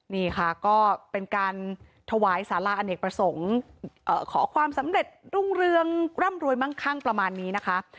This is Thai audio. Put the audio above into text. นี่ค่ะก็เป็นการถวายสาราอเนกประสงค์ขอความสำเร็จรุ่งเรืองร่ำรวยมั่งคั่งประมาณนี้นะคะ